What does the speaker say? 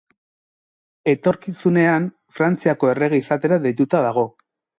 Etorkizunean Frantziako errege izatera deituta dago.